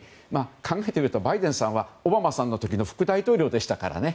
考えてみるとバイデンさんはオバマさんの時の副大統領でしたからね。